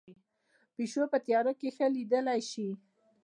پیشو په تیاره کې ښه لیدلی شي